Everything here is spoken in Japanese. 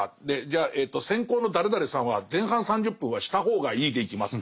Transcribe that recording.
じゃあ先攻の誰々さんは前半３０分は「した方がいい」でいきます。